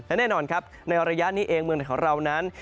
และแน่นอนครับในระยะนี้เองเมืองไหนของเรานั้น